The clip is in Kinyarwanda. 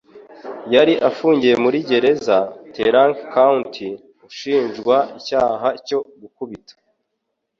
yari afungiye muri gereza ya Tarrant County ashinjwa icyaha cyo gukubita